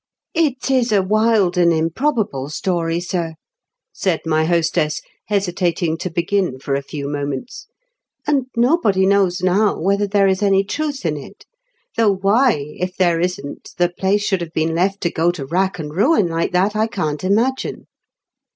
"It is a wild and improbable story, sir," said my hostess, hesitating to begin for a few moments, "and nobody knows now whether there is any truth in it ; though why, if there isn't, the jdace should have been left to go to wrack and ruin like that, I can't imagine.